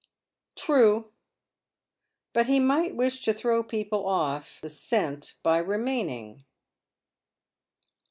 •■• True. But he might wish to tlirow people off the scent by remaining."